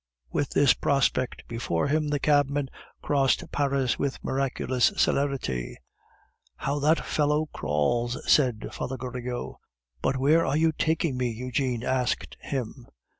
With this prospect before him the cabman crossed Paris with miraculous celerity. "How that fellow crawls!" said Father Goriot. "But where are you taking me?" Eugene asked him.